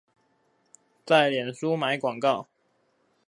在臉書買廣告